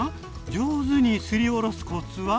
上手にすりおろすコツは？